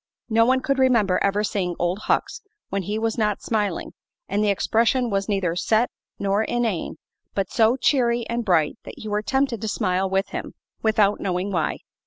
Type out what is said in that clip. No one could remember ever seeing Old Hucks when he was not smiling, and the expression was neither set nor inane, but so cheery and bright that you were tempted to smile with him, without knowing why.